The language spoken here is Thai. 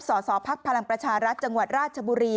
สศภักดิ์พลังประชารัฐจังหวัดราชบุรี